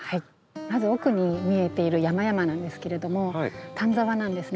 まず奥に見えている山々なんですけれども丹沢なんですね。